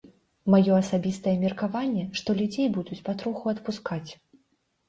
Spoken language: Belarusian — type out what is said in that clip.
Маё асабістае меркаванне, што людзей будуць патроху адпускаць.